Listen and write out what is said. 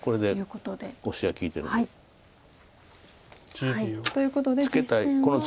これでオシが利いてる。ということで実戦は。